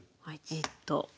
はいじっと。